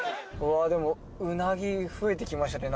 でもうなぎ増えてきましたね